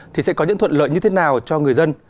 thì sẽ có những thuận lợi như thế nào cho người dân